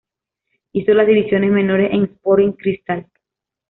Hizo las divisiones menores en Sporting Cristal.